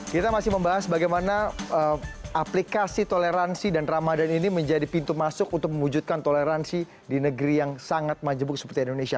kita masih membahas bagaimana aplikasi toleransi dan ramadan ini menjadi pintu masuk untuk mewujudkan toleransi di negeri yang sangat majemuk seperti indonesia